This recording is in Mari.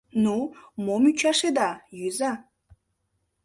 — Ну, мом ӱчашеда, йӱза.